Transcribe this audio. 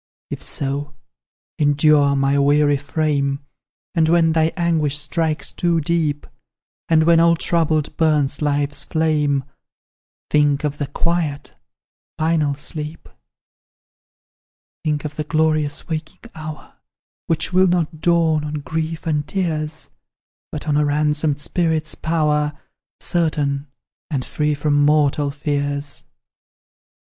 "If so, endure, my weary frame; And when thy anguish strikes too deep, And when all troubled burns life's flame, Think of the quiet, final sleep; "Think of the glorious waking hour, Which will not dawn on grief and tears, But on a ransomed spirit's power, Certain, and free from mortal fears.